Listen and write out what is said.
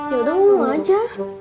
yaudah mau aja